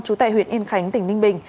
trú tại huyện yên khánh tỉnh ninh bình